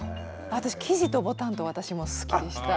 私「生地とボタンと私」も好きでした。